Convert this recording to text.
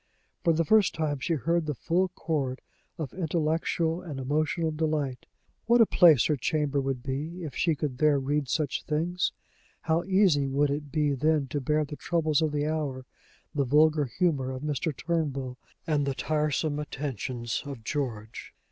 For the first time she heard the full chord of intellectual and emotional delight. What a place her chamber would be, if she could there read such things! How easy would it be then to bear the troubles of the hour, the vulgar humor of Mr. Turnbull, and the tiresome attentions of George!